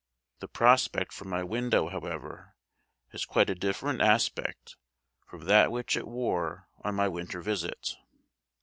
The prospect from my window, however, has quite a different aspect from that which it wore on my winter visit.